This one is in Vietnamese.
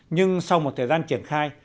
nhưng sau một thời gian triển khai